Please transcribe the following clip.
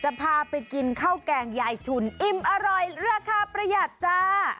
พาไปกินข้าวแกงยายชุนอิ่มอร่อยราคาประหยัดจ้า